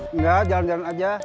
enggak jalan jalan aja